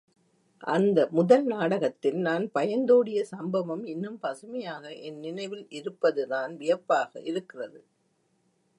அந்த முதல் நாடகத்தில் நான் பயந்தோடிய சம்பவம் இன்னும் பசுமையாக என் நினைவில் இருப்பதுதான் வியப்பாக இருக்கிறது.